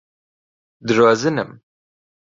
درۆزنم.